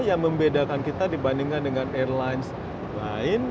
yang membedakan kita dibandingkan dengan airlines lain